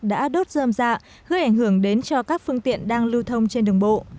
đã đốt dơm dạ gây ảnh hưởng đến cho các phương tiện đang lưu thông trên đường bộ